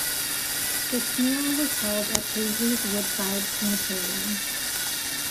His funeral was held at Paisley's Woodside Crematorium.